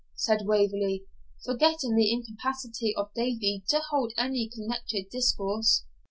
said Waverley, forgetting the incapacity of Davie to hold any connected discourse.